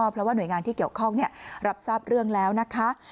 เพราะว่าหน่วยงานที่เกี่ยวข้องรับทราบเรื่องแล้วนะคะ